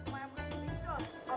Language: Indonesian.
baik maemudin bikcol